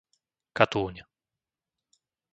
Katúň